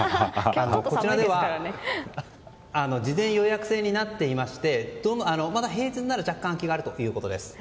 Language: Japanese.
こちら事前予約制になっていましてまだ平日なら若干空きがあるということです。